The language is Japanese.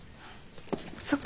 そっか。